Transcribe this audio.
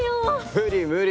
無理無理！